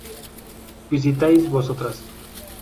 ¿Visitáis vosotras?